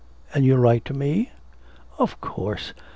'And you'll write to me?' 'Of course.